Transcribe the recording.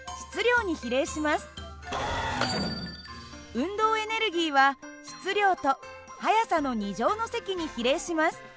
運動エネルギーは質量と速さの２乗の積に比例します。